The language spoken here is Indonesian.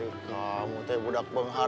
ayo kamu teh budak penghar